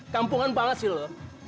kampungan banget sih lu loh